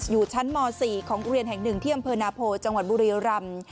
อยู่ชั้นม๔ของโรงเรียนแห่งหนึ่งที่อำเภอนาโพจังหวัดบุรียรำ